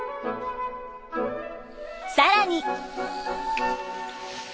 更に。